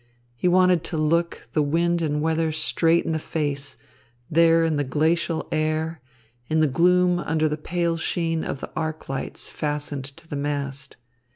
He wanted to look the wind and weather straight in the face, there in the glacial air, in the gloom under the pale sheen of the arc lights fastened to the mast.